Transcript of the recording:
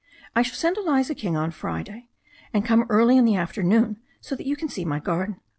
I shall send Eliza King on Friday. And come early in the afternoon so that you can see my garden.